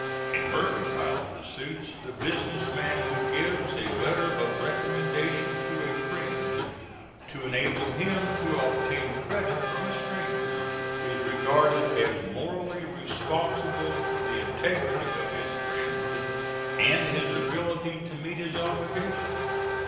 In mercantile pursuits the business man who gives a letter of recommendation to a friend to enable him to obtain credit from a stranger is regarded as morally responsible for the integrity of his friend and his ability to meet his obligations.